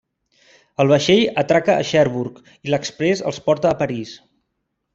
El vaixell atraca a Cherbourg i l'exprés els porta a París.